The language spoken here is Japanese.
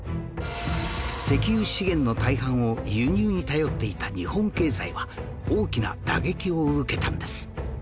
石油資源の大半を輸入に頼っていた日本経済は大きな打撃を受けたんです